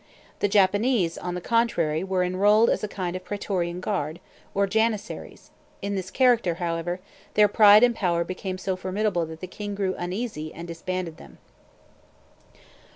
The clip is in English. The Japanese, on the contrary, were enrolled as a kind of praetorian guard, or janissaries; in this character, however, their pride and power became so formidable that the king grew uneasy and disbanded them.